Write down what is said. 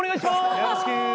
よろしく。